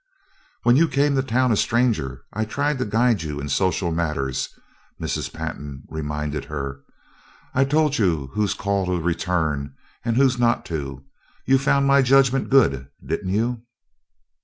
"When you came to town a stranger I tried to guide you in social matters," Mrs. Pantin reminded her. "I told you whose call to return and whose not to you found my judgment good, didn't you?"